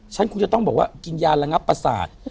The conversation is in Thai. ฉันคงจะต้องบอกว่ากินยาระงับประสาท